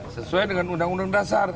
sesuai dengan undang undang dasar